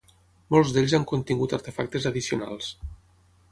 Molts d'ells han contingut artefactes addicionals.